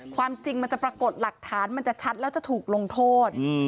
ความจริงมันจะปรากฏหลักฐานมันจะชัดแล้วจะถูกลงโทษ